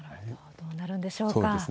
どうなるんでしょうか。